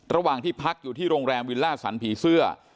ระหว่างที่พักอยู่ที่โรงแรมวิลล่าสันผีเสื้อ